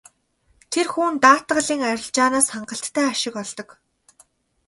Тэр хүн даатгалын арилжаанаас хангалттай ашиг олдог.